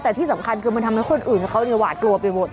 แต่ที่สำคัญคือมันทำให้คนอื่นเขาเนี่ยหวาดกลัวไปหมด